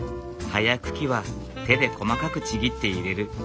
葉や茎は手で細かくちぎって入れる。